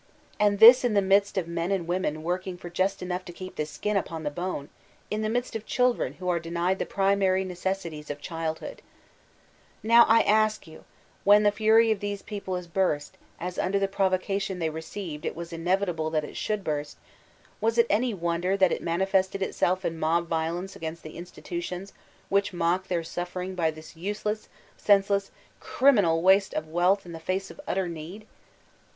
And this in the midst of men and women wo rkin g for just enough to keep the sldn upon the bone ; in the midst of children who are denied die primary necessities of childhood Now I ask you, when the fury of these peofde burst, as under the provocation they received it was inevitable that it should burst, was it any wonder that it manifested ttsdf in mob violence against the institutions whidi mock their suffering by this useless, senseless, criminal waste of wealth in the face of utter need?